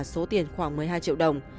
số tiền khoảng một mươi hai triệu đồng